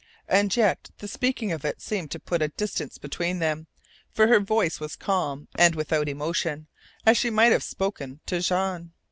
And yet the speaking of it seemed to put a distance between them, for her voice was calm and without emotion, as she might have spoken to Jean.